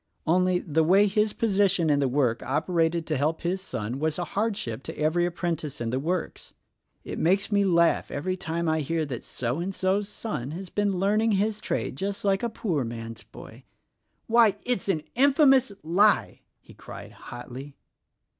Only, the way his position in the world operated to help his son was a hardship to every apprentice in the works. It makes me laugh every time I hear that So and So's son has been learning his trade just like a poor man's boy. Why, it's an infamous lie!" he cried hotly.